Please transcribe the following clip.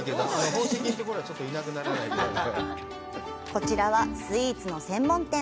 こちらはスイーツの専門店。